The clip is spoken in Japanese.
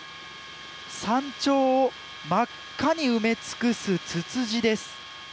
山頂を真っ赤に埋め尽くすツツジです。